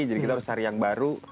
jadi kita harus cari yang baru